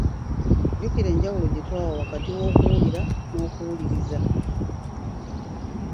Jjukira enjawulo gye twawa wakati w’okuwulira n’okuwuliriza.